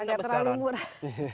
tidak terlalu murah